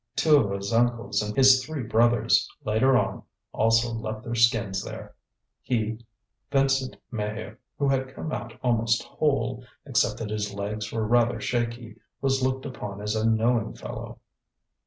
Two of his uncles and his three brothers, later on, also left their skins there. He, Vincent Maheu, who had come out almost whole, except that his legs were rather shaky, was looked upon as a knowing fellow.